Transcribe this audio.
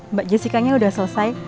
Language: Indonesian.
mbak jessica nya udah selesai